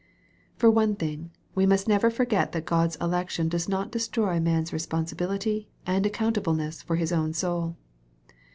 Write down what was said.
For one thing, we must never forget that God's elec tion does not destroy man's responsibility and accounta bleness for his own soul.